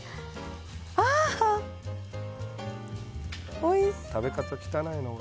おいしい。